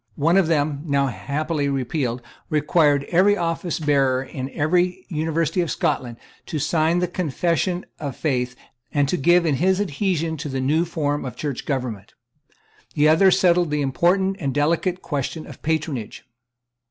One of them, now happily repealed, required every officebearer in every University of Scotland to sign the Confession of Faith and to give in his adhesion to the new form of Church government, The other settled the important and delicate question of patronage.